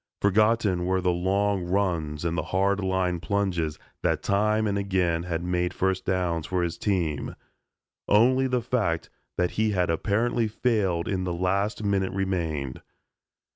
Forgotten were the long runs and the hard line plunges that time and again had made first downs for his team. Only the fact that he had apparently failed in the last minute remained.